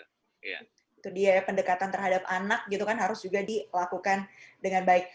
itu dia ya pendekatan terhadap anak gitu kan harus juga dilakukan dengan baik